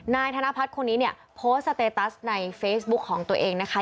นายธนพัฒน์คนนี้เนี่ยโพสต์สเตตัสในเฟซบุ๊คของตัวเองนะคะ